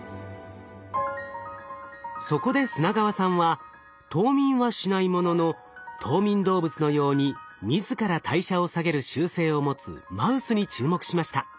そこで砂川さんは冬眠はしないものの冬眠動物のように自ら代謝を下げる習性を持つマウスに注目しました。